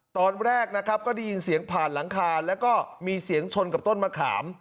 ตอนแรกนะครับก็ได้ยินเสียงผ่านหลังคาแล้วก็มีเสียงชนกับต้นมะขาม